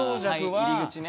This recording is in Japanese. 入り口ね。